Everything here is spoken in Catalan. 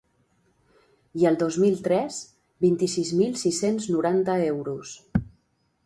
I el dos mil tres, vint-i-sis mil sis-cents noranta euros.